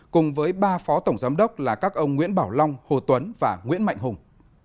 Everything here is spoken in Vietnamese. cùng với ba phó tổng giám đốc là các ông nguyễn bảo long hồ tuấn và nguyễn mạnh hùng